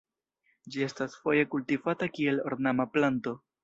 Ĝi estas foje kultivata kiel ornama planto.